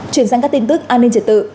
chuyển sang các tin tức an ninh triệt tự